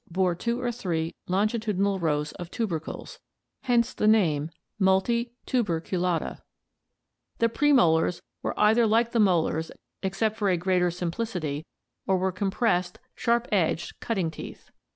(Alter bore two or three longitudinal rows of Gidleyi ,roin g^to tubercles, hence the name Multituber culata; the premolars were either like the molars except for a greater simplicity, or were compressed, sharp edged, cutting teeth.